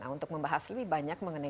untuk membahas lebih banyak mengenai